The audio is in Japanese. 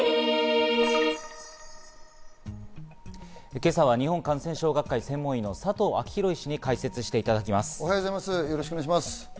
今朝は日本感染症学会専門医の佐藤昭裕医師に解説していただきます。